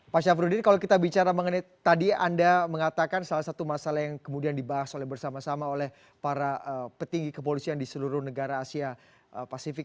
pak syafruddin kalau kita bicara mengenai tadi anda mengatakan salah satu masalah yang kemudian dibahas oleh bersama sama oleh para petinggi kepolisian di seluruh negara asia pasifik